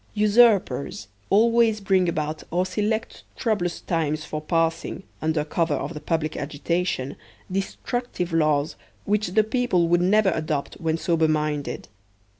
Usurpers always bring about or select troublous times for passing, under cover of the public agitation, destructive laws which the people would never adopt when sober minded.